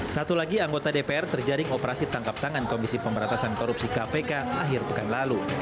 satu lagi anggota dpr terjaring operasi tangkap tangan komisi pemberatasan korupsi kpk akhir pekan lalu